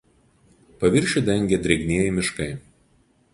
Paviršių dengia drėgnieji miškai.